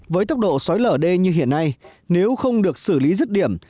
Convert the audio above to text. với tốc độ xói lở đê như hiện nay nếu không được xử lý rứt điểm